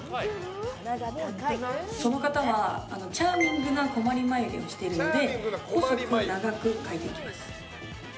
その方はチャーミングな困り眉毛をしているので細く長く描いていきます。